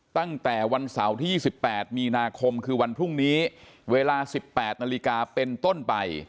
ตั้งแต่วันเสาร์ที่๒๘มีนาคมคือวันพรุ่งนี้เวลา๑๘นาฬิกาเป็นต้นไป